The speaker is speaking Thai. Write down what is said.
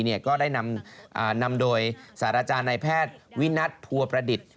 ก็ได้นำโดยสารอาจารย์นายแพทย์วินัทพัวประดิษฐ์